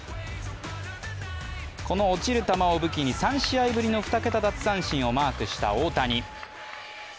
この落ちる球を武器に３試合ぶりの２桁奪三振をマークした大谷。